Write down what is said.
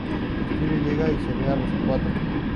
Stevie llega y se van los cuatro.